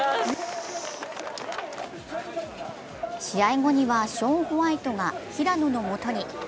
試合後にはショーン・ホワイトが平野のもとに。